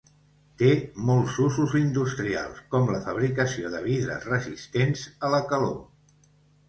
Té molts usos industrials, com la fabricació de vidres resistents a la calor.